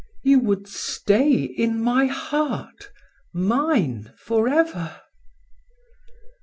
You would stay in my heart, mine forever."